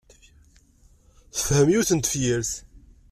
Tefhem yiwet n tefyirt.